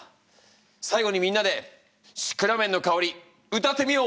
最後にみんなで「シクラメンのかほり」歌ってみよう！